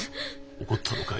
怒ったのかい？